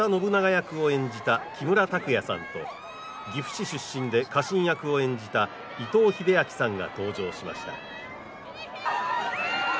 役を演じた木村拓哉さんと岐阜市出身で家臣役を演じた伊藤英明さんが登場しました。